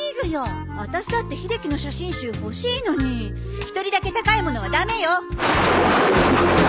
私だって秀樹の写真集欲しいのに１人だけ高いものは駄目よ！